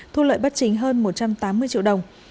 thu lợi bất chính hơn một trăm tám mươi triệu đồng